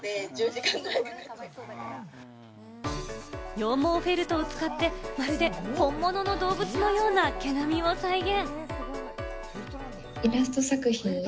羊毛フェルトを使って、まるで本物の動物のような毛並みを再現。